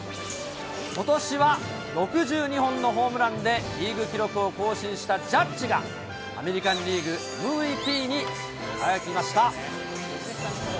ことしは６２本のホームランでリーグ記録を更新したジャッジが、アメリカンリーグＭＶＰに輝きました。